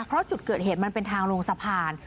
เพราะจุดเกิดเหตุมันเป็นทางลงสะพาน